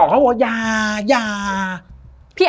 ไม่